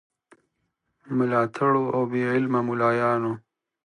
ملاتړو او بې علمو مُلایانو.